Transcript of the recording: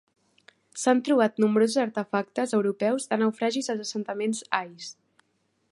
S'han trobat nombrosos artefactes europeus de naufragis als assentaments ais.